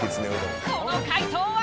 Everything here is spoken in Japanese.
この快答は？